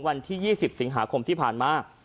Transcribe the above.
วันที่๒๐สิงหาคมที่ผ่านมา